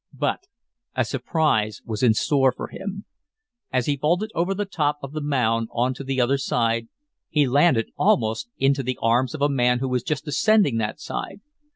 But a surprise was in store for him. As he vaulted over the top of the mound on to the other side, he landed almost into the arms of a man who was just ascending that side.